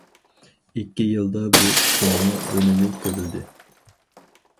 ئىككى يىلدا بۇ ئىشنىڭمۇ ئۈنۈمى كۆرۈلدى.